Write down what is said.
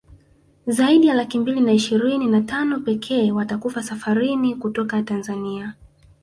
zaidi ya laki mbili na ishirini na tano pekee watakufa safarini kutoka Tanzania